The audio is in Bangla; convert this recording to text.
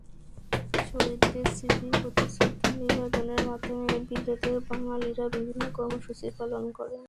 শহীদদের স্মৃতির প্রতি শ্রদ্ধা নিবেদনের মাধ্যমে বিলেতের বাঙালিরা বিভিন্ন কর্মসূচি পালন করেন।